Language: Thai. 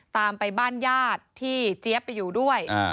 ตามไปบ้านญาติที่เจี๊ยบไปอยู่ด้วย